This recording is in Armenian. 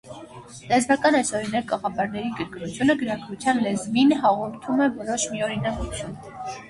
Լեզվական այսօրինակ կաղապարների կրկնությունը գրագրության լեզվին հաղորդում է որոշ միօրինակություն։